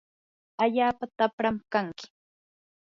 allaapa tapram kanki.